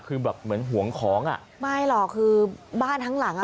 คือแบบเหมือนห่วงของอ่ะไม่หรอกคือบ้านทั้งหลังอ่ะ